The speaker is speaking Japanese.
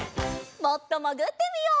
もっともぐってみよう。